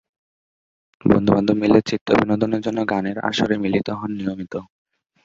বন্ধু-বান্ধব মিলে চিত্ত বিনোদনের জন্য গানের আসরে মিলিত হন নিয়মিত।